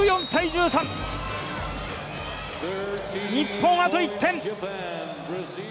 日本あと１点。